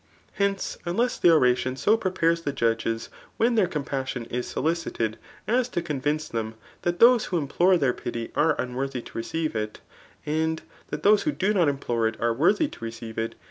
.Hence, unless the oratioil so prepares thejticJgcis ^hen'theii* tompassJon is solicited; as to c6nvince th^m that thos^ who implore their pity are unworthy td* iWceive if, and thit those whd do ndt Implore ir are wwthy^b r^d^fe it?